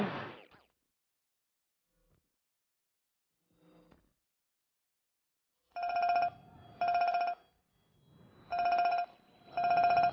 kita lapor dulu ke kang darman